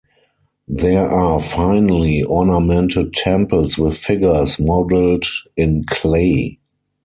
There are finely ornamented temples with figures modeled in clay.